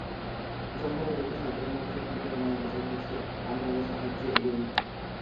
যখনই দেখি সাধারণ মানুষের প্রতি অন্যায়-অবিচার হচ্ছে, আমি তাদের সাহায্যে এগোই।